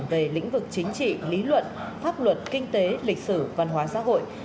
về lĩnh vực chính trị lý luận pháp luật kinh tế lịch sử văn hóa xã hội